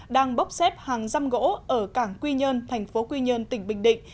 đang bốc xếp hàng răm gỗ ở cảng quy nhơn thành phố quy nhơn tỉnh bình định